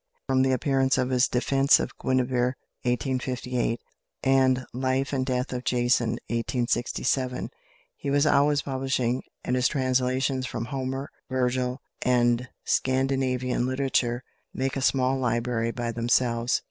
From the appearance of his "Defence of Guenevere" (1858), and "Life and Death of Jason" (1867), he was always publishing, and his translations from Homer, Virgil, and Scandinavian literature make a small library by themselves.